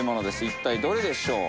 一体どれでしょう？